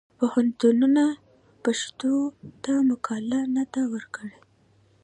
پوهنتونونه پښتو ته مقاله نه ده ورکړې.